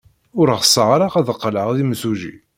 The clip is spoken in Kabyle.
Ur ɣseɣ ara ad qqleɣ d imsujji.